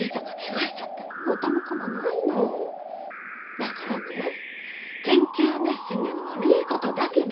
だからね研究熱心なのはいいことだけど。